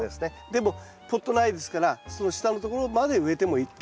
でもポット苗ですからその下のところまで植えても結構です。